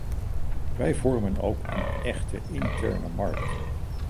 Wij vormen ook een echte interne markt.